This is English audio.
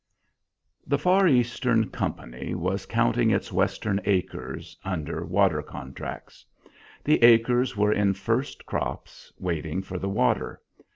The far Eastern company was counting its Western acres under water contracts. The acres were in first crops, waiting for the water.